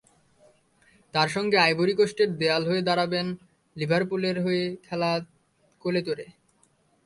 তার সঙ্গে আইভরি কোস্টের দেয়াল হয়ে দাঁড়াবেন লিভারপুলের হয়ে খেলা কোলো তোরে।